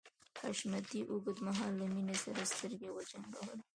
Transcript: حشمتي اوږد مهال له مينې سره سترګې وجنګولې.